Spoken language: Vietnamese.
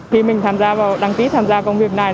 khi mình tham gia vào đăng ký tham gia công việc này